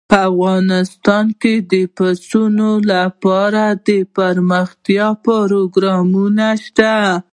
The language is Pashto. افغانستان کې د پسونو لپاره دپرمختیا پروګرامونه شته.